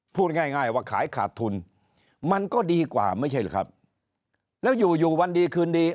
พูดง่ายง่ายว่าขายขาดทุนมันก็ดีกว่าไม่ใช่หรือครับแล้วอยู่อยู่วันดีคืนดี